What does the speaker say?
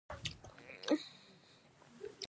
د افغانستان منتو مشهور دي